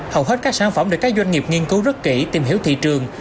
hầu hết các sản phẩm được các doanh nghiệp nghiên cứu rất kỹ tìm hiểu thị trường